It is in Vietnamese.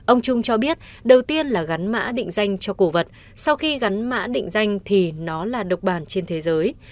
ông trung cho biết đầu tiên là gắn mã định danh cho cổ vật sau khi gắn mã định danh thì nó là độc bản trên thế giới